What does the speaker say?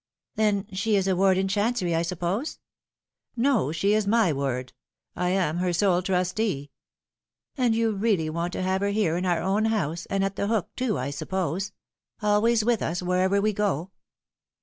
" Then she is a ward in Chancery, I suppose ?"" No, she is my ward. I am her sole trustee." " And you really want to have her here in our own house, and at The Hook, too, I suppose. Always with us wherever we go."